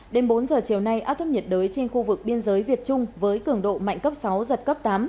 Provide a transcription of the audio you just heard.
đêm bốn giờ chiều nay áp thấp nhiệt đới trên khu vực biên giới việt trung với cường độ mạnh cấp sáu giật cấp tám